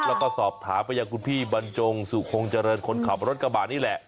แล้วก็สอบถามไปยังคุณพี่บรรจงสุคงเจริญคนขับรถกระบะนี่แหละ